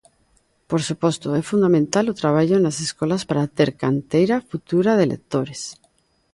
Por suposto, é fundamental o traballo nas escolas para ter canteira futura de lectores.